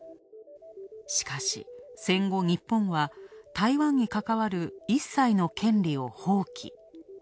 しかし、戦後、日本は台湾にかかわるいっさいの権利を放棄。